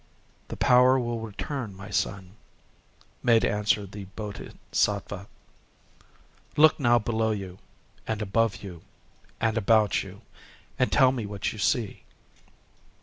"The power will return, my son," made answer the Bodhisattva…. "Look now below you and above you and about you, and tell me what you see."